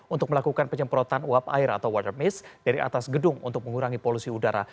untuk melakukan penyemprotan uap air atau water miss dari atas gedung untuk mengurangi polusi udara